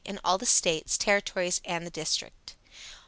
In all the States, Territories and the District.